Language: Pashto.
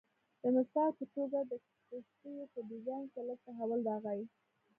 د مثال په توګه د کښتیو په ډیزاین کې لږ تحول راغی